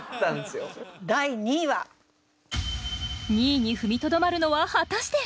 ２位に踏みとどまるのは果たして。